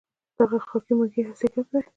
دغه خاکې ماکې هسې ګپ دی.